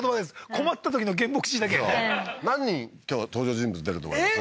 困ったときの原木椎茸何人今日登場人物出ると思います？